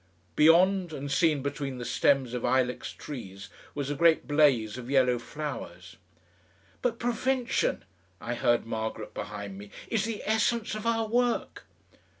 Beyond, and seen between the stems of ilex trees, was a great blaze of yellow flowers.... "But prevention," I heard Margaret behind me, "is the essence of our work."